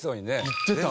行ってた。